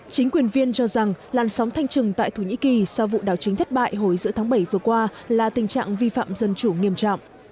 chính quyền viên cho rằng làn sóng thanh trừng tại thổ nhĩ kỳ sau vụ đảo chính thất bại hồi giữa tháng bảy vừa qua là tình trạng vi phạm dân chủ nghiêm trọng